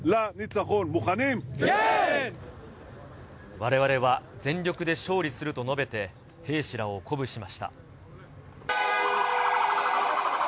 われわれは全力で勝利すると述べて、兵士らを鼓舞しました。